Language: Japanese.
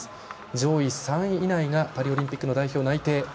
上位３位以内がパリオリンピック代表内定。